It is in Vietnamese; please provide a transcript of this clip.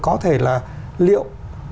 có thể là liệu